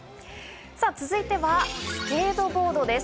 続いてはスケートボードです。